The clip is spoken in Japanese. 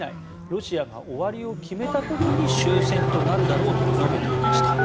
ロシアが終わりを決めた時に終戦となるだろうと述べていました。